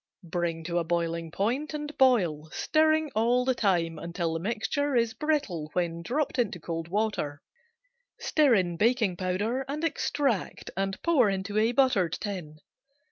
Bring to a boiling point, and boil, stirring all the time until the mixture is brittle when dropped into cold water. Stir in baking powder and extract and pour into a buttered tin.